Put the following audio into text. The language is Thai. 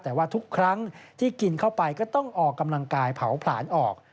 แต่ว่าทุกครั้งที่กินเข้าไปก็ต้องออกกำลังกายเผาผลาญออก